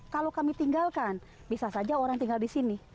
kalau kami tinggalkan bisa saja orang tinggal di sini